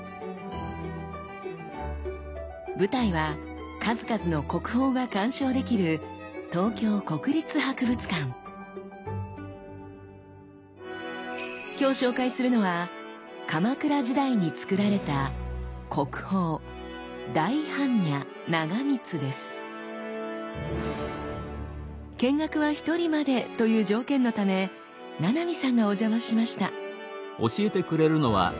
舞台は数々の国宝が鑑賞できるきょう紹介するのは鎌倉時代につくられた見学は１人までという条件のため七海さんがお邪魔しました。